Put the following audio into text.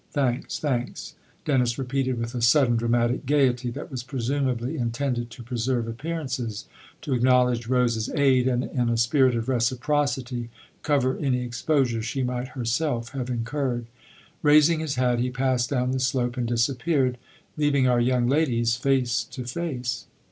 Thanks, thanks !" Dennis repeated with a sudden dramatic gaiety that was presumably intended to preserve THE OTHER HOUSE 223 appearances to acknowledge Rose's aid and, in a spirit of reciprocity, cover any exposure she might herself have incurred. Raising his hat, he passed down the slope and disappeared, leaving our young ladies face to face.